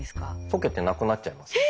溶けてなくなっちゃいますね。